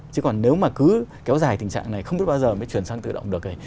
chứ còn nếu mà cứ kéo dài tình trạng này không biết bao giờ mới chuyển sang tự động được